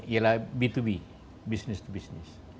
ialah b dua b business to business